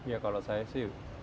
ya kalau saya sih